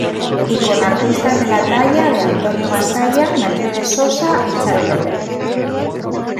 Y con artistas de la talla de Antonio Gasalla, Mercedes Sosa y Charo López.